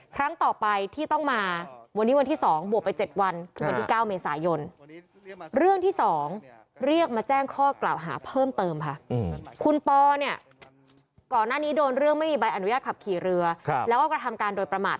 ครั้งต่อไปที่ต้องมาวันนี้วันที่๒บวกไป๗วัน